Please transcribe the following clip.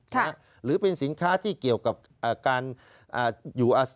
หรือเป็นสินค้าที่เกี่ยวกับการอยู่อ่า